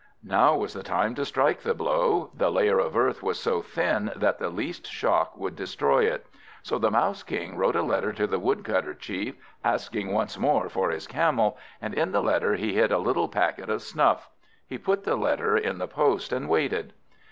Now was the time to strike the blow. The layer of earth was so thin, that the least shock would destroy it. So the Mouse King wrote a letter to the Woodcutter Chief, asking once more for his Camel, and in the letter he hid a little packet of snuff. He put the letter in the post, and waited.